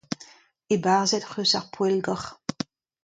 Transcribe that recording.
Ebarzhet 'c'h eus ar poellgor.